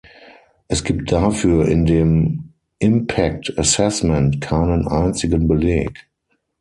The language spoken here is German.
Es gibt dafür in dem impact assessment keinen einzigen Beleg.